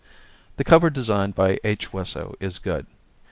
The cover design by H. Wesso is good.